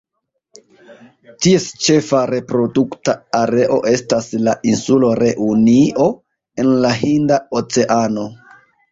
Ties ĉefa reprodukta areo estas la insulo Reunio en la Hinda Oceano.